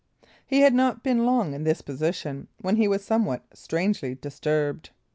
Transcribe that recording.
He had not been long in this position, when he was somewhat strangely disturbed.